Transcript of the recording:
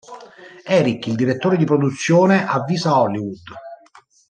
Eric, il direttore di produzione, avvisa Hollywood.